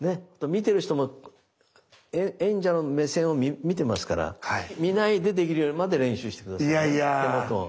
見てる人も演者の目線を見てますから見ないでできるようになるまで練習して下さい手元を。